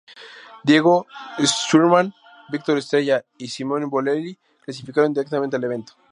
Diego Schwartzman, Víctor Estrella y Simone Bolelli clasificaron directamente al evento.